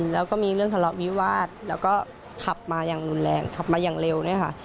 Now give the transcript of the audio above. แล้วก็มีเรื่องทะเลาะวิวาสแล้วก็ขับมาอย่างรุนแรงขับมาอย่างเร็วเนี่ยค่ะ